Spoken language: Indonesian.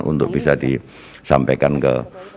untuk bisa disampaikan ke